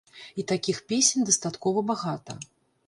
І такіх песень дастаткова багата.